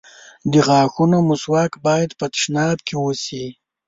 د غاښونو مسواک بايد په تشناب کې وشي.